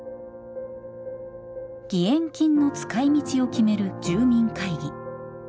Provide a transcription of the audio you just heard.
義援金の使いみちを決める住民会議。